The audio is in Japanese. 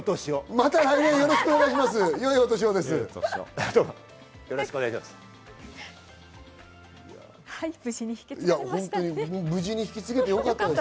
また来年もよろしくお願いします。